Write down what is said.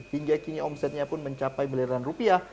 hingga kini omsetnya pun mencapai miliaran rupiah